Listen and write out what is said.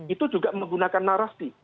itu juga menggunakan narasi